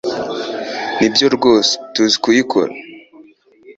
“Nibyo rwose, tuzi kuyikora.”